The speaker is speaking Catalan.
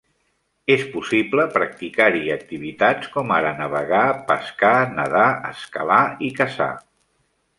És possible practicar-hi activitats, com ara navegar, pescar, nedar, escalar i caçar.